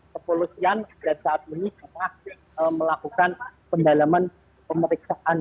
kepolusian dan saat ini kita melakukan pendalaman pemeriksaan